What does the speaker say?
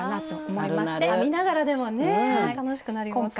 編みながらでもね楽しくなります。